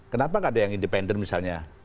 kenapa nggak ada yang independen misalnya